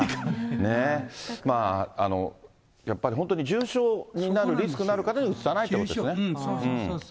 ね、やっぱり本当に重症になるリスクのある方にうつさないということそうです、そうです。